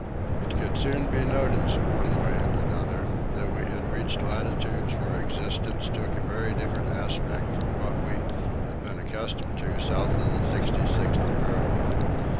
It could soon be noticed, in one way and another, that we had reached latitudes where existence took a very different aspect from what we had been accustomed to south of the 66th parallel.